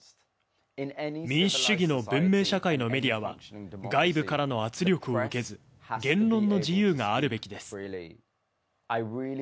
民主主義の文明社会のメディアは、外部からの圧力を受けず、言論の自由があるべきです。